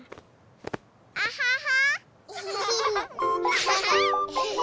アハハ！